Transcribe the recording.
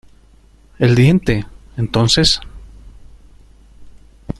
el diente. entonces